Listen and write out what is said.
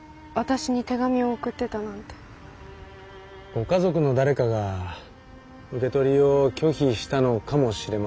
ご家族の誰かが受け取りを拒否したのかもしれません。